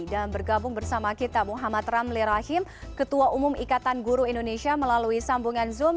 dan bergabung bersama kita muhammad ramli rahim ketua umum ikatan guru indonesia melalui sambungan zoom